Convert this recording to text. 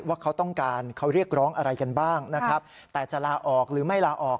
ว่าเขาต้องการเขาเรียกร้องอะไรกันบ้างนะครับแต่จะลาออกหรือไม่ลาออก